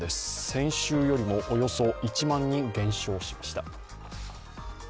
先週よりもおよそ１万人減少しました。